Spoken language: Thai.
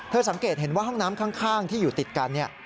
สังเกตเห็นว่าห้องน้ำข้างที่อยู่ติดกันเนี่ย